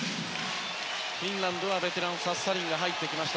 フィンランドはベテランサス・サリンが入ってきました